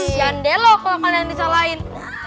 siandelo kalau kalian yang disalahin